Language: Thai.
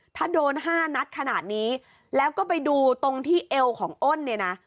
ถ้าโดน๕นัดขนาดนี้แล้วก็ไปดูตรงที่เอวของอ้นเนี่ยนะ